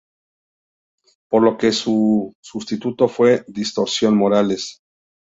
Por lo que su sustituto fue Distorsión Morales.